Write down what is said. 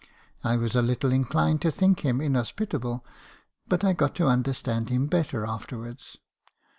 I was a little inclined to think him inhospitable , but I got to under stand him better afterwards.